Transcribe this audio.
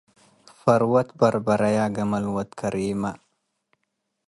ፈርወት በርበሪየ ገመል ወድ ኬሪመ